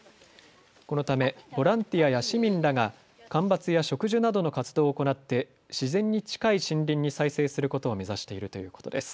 このためボランティアや市民らが間伐や植樹などの活動を行って自然に近い森林に再生することを目指しているということです。